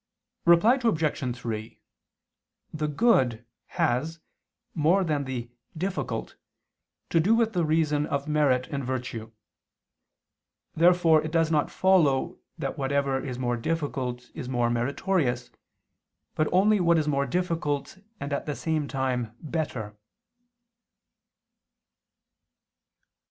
Reply Obj. 3: The good has, more than the difficult, to do with the reason of merit and virtue. Therefore it does not follow that whatever is more difficult is more meritorious, but only what is more difficult, and at the same time better.